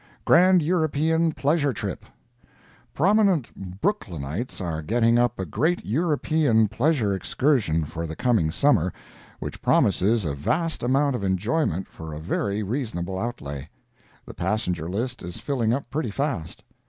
GRAND EUROPEAN PLEASURE TRIP PROMINENT Brooklynites are getting up a great European pleasure excursion for the coming summer, which promises a vast amount of enjoyment for a very reasonable outlay. The passenger list is filling up pretty fast.